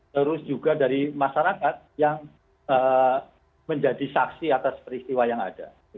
terus juga dari masyarakat yang menjadi saksi atas peristiwa yang ada